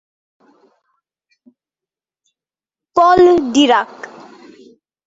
Paul Dirac.